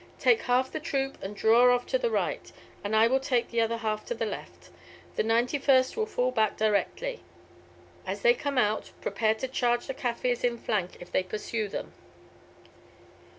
Take half the troop and draw off to the right, and I will take the other half to the left. The 91st will fall back directly. As they come out, prepare to charge the Kaffirs in flank if they pursue them."